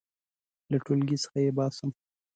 • له ټولګي څخه یې باسم.